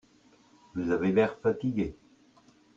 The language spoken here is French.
Vous avez l'air fatigué.